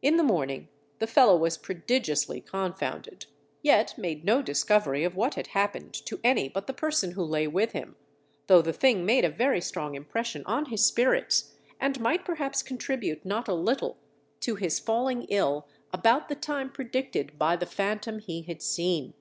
In the morning the fellow was prodigiously confounded, yet made no discovery of what had happened to any but the person who lay with him, though the thing made a very strong impression on his spirits, and might perhaps contribute not a little to his falling ill about the time predicted by the phantom he had seen.